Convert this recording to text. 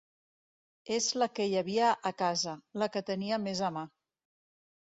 És la que hi havia a casa, la que tenia més a mà.